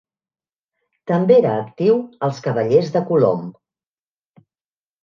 També era actiu als Cavallers de Colom.